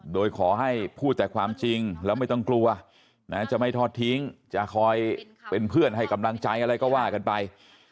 โดยขอให้พูดแต่ความจริงแล้วไม่ต้องกลัวนะจะไม่ทอดทิ้งจะคอยเป็นเพื่อนให้กำลังใจอะไรก็ว่ากันไป